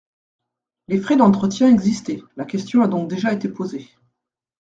Les frais d’entretien existaient : la question a donc déjà été posée.